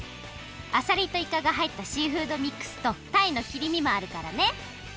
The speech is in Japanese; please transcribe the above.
アサリとイカがはいったシーフドミックスとたいの切り身もあるからね。